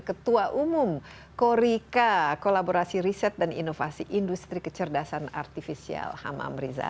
ketua umum korika kolaborasi riset dan inovasi industri kecerdasan artifisial hamam riza